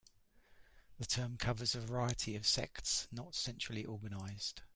The term covers a variety of sects, not centrally organized.